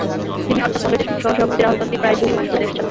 তিনি অর্থাৎ কংগ্রেসের সহসভাপতি রাহুল গান্ধী প্রায় দুই মাস হলো দেশছাড়া।